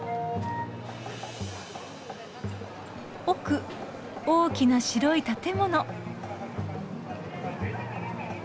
奥大きな白い建物。